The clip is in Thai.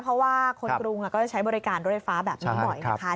เพราะว่าคนกรุงก็จะใช้บริการรถไฟฟ้าแบบนี้บ่อยนะคะ